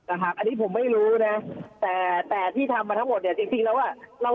อันนี้ผมไม่รู้นะแต่ที่ทำมาทั้งหมดเนี่ยจริงแล้วว่า